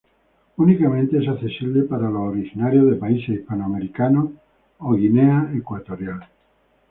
Únicamente es accesible para los originarios de países hispanoamericanos o Guinea Ecuatorial.